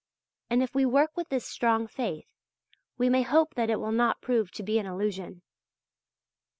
And if we work with this strong faith, we may hope that it will not prove to be an illusion.